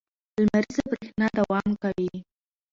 لمریزه برېښنا دوام کوي.